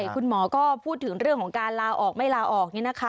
คุณหมอก็พูดถึงเรื่องของการลาออกไม่ลาออก